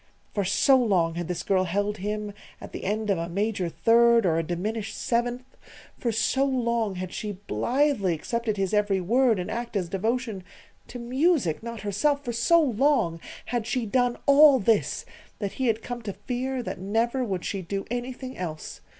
For so long had this girl held him at the end of a major third or a diminished seventh; for so long had she blithely accepted his every word and act as devotion to music, not herself for so long had she done all this that he had come to fear that never would she do anything else.